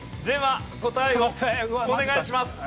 では答えをお願いします。